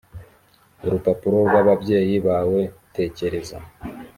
urupapuro rw ababyeyi bawe tekereza